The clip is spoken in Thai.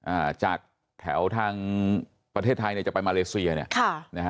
อ่าจากแถวทางประเทศไทยจะไปมาเลเซียเนี่ย